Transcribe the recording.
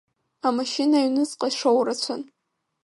Амашьына аҩныҵҟа шоурацәан.